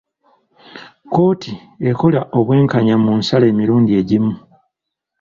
Kkooti ekola obwenkanya mu nsala emirundi egimu.